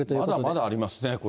まだまだありますね。